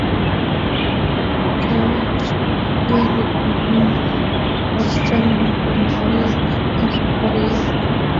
Akawasha gari kwa mwendo wa wastani na kuendelea na safari yake